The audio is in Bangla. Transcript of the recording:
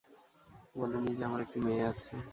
বলোনি যে আমার একটি মেয়ে আছে।